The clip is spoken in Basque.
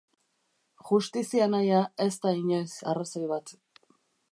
Justizia nahia ez da inoiz arrazoi bat.